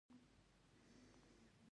اوړه د مسافرو لپاره هم ساتل کېږي